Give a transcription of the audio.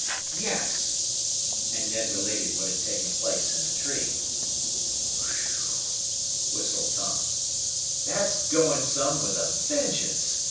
"Yes," and Ned related what had taken place in the tree. "Whew!" whistled Tom. "That's going some with a vengeance!